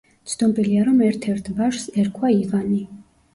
ცნობილია, რომ ერთ-ერთ ვაჟს ერქვა ივანი.